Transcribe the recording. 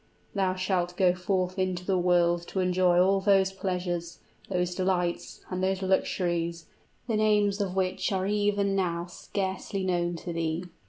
Thou shalt go forth into the world to enjoy all those pleasures, those delights, and those luxuries, the names of which are even now scarcely known to thee!"